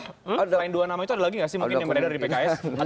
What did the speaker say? selain dua nama itu ada lagi nggak sih mungkin daripada dari pks